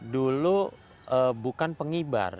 dulu bukan penghibar